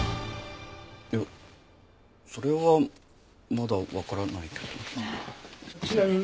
いやそれはまだわからないけど。